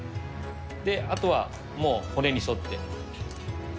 あとは骨に沿って。